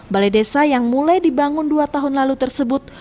balai desa yang mulai dibangun dua tahun lalu tersebut